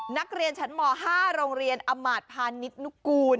นักเรียนชั้นม๕โรงเรียนอำมาตพาณิชนุกูล